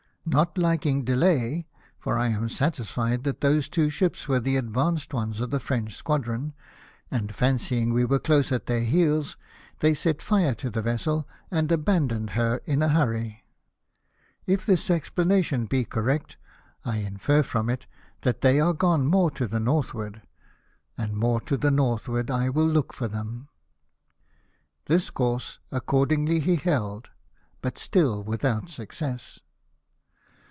Not liking delay (for I am satisfied that those two ships were the advanced ones of the French squadron), and fancying we were close at their heels, they set fire to the vessel and abandoned her in a hurry. If this explanation be correct, I infer from it that they are gone more to the northward : and more to the north ward I will look for them." This course accordingly he held, but still without success.